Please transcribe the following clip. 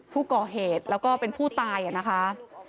ผู้ก่อเหตุแล้วก็เป็นผู้ตายนะคะ